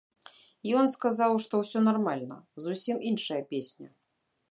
Ён сказаў, што ўсё нармальна, зусім іншая песня.